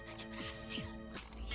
bagi bawa baju kotor segale lagi